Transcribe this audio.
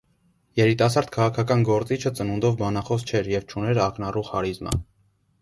Երիտասարդ քաղաքական գործիչը ծնունդով բանախոս չէր և չուներ ակնառու խարիզմա։